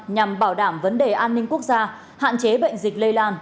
nhằm bảo đảm vấn đề an ninh quốc gia hạn chế bệnh dịch lây lan